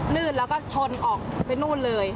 ลื่นแล้วก็ชนออกไปนู่นเลย